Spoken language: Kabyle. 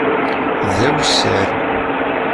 D awessar.